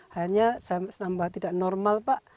hanya saya nambah tidak normal pak